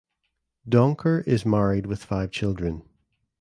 Donkor is married with five children.